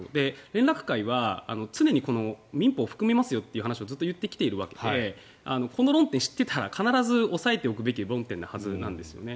連絡会は民法を含めますよということをずっと言ってきているわけでこの論点を知っていたら必ず押さえておくべき論点なんですね。